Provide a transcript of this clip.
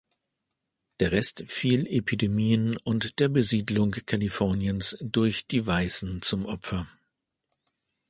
Der Rest fiel Epidemien und der Besiedlung Kaliforniens durch die Weißen zum Opfer.